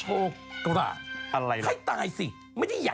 จากกระแสของละครกรุเปสันนิวาสนะฮะ